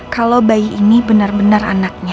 kalau bayi ini benar benar anaknya